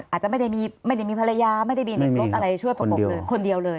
อาจจะไม่ได้มีไม่ได้มีภรรยาไม่ได้มีไม่มีครับคนเดียวคนเดียวเลย